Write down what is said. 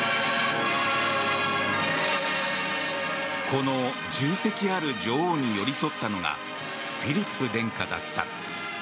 この重責ある女王に寄り添ったのがフィリップ殿下だった。